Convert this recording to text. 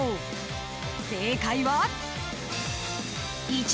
［正解は］